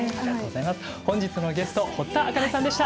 本日のゲスト堀田茜さんでした。